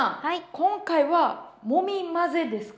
今回は「もみ混ぜ」ですか？